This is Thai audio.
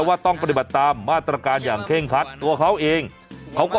ว่าต้องปฏิบัติตามมาตรการอย่างเคร่งคัดตัวเขาเองเขาก็